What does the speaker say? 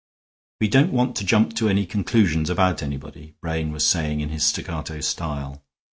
"We don't want to jump to any conclusions about anybody," Brain was saying in his staccato style.